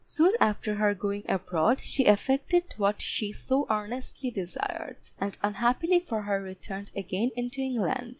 Soon after her going abroad, she effected what she so earnestly desired, and unhappily for her returned again into England.